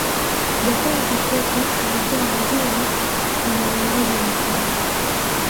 jakaya kikwete alikuwa waziri kwenye uongozi wa mkapa